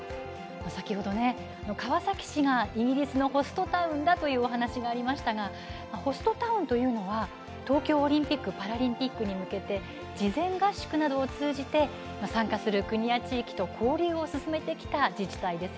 先ほどね、川崎市がイギリスのホストタウンだというお話がありましたがホストタウンというのは東京オリンピック・パラリンピックに向けて事前合宿などを通じて参加する国や地域と交流を進めてきた自治体ですよね。